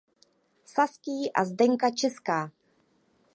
Saský a Zdenka Česká.